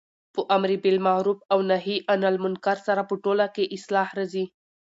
په امرباالمعرف او نهي عن المنکر سره په ټوله کي اصلاح راځي